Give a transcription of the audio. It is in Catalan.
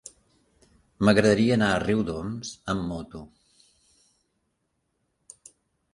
M'agradaria anar a Riudoms amb moto.